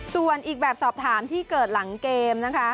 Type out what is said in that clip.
ส่วนอีกแบบสอบถามที่เกิดหลังเกมนะคะ